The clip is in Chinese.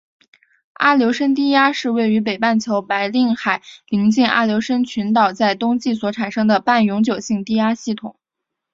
阿留申低压是位于北半球白令海邻近阿留申群岛在冬季所产生的半永久性低压系统。